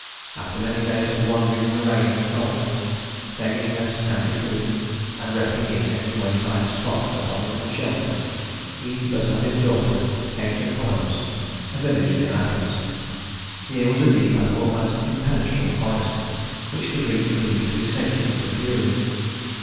After many days of wandering in the rain and cold, begging their scanty food and resting in any wayside spot that offered them shelter, Œdipus and his daughter came to Colonus, a village near Athens. Here was a deep and almost impenetrable forest, which the Greeks believed to be sacred to the Furies.